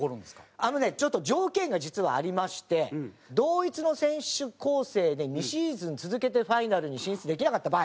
あのねちょっと条件が実はありまして「同一の選手構成で２シーズン続けてファイナルに進出できなかった場合」。